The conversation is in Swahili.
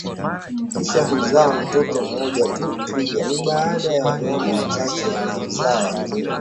kisha huzaa mtoto mmoja tu Twiga ni baadhi ya wanyama wachache wanao zaa wakiwa